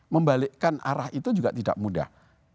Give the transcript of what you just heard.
membalikkan arah itu juga tidak mudah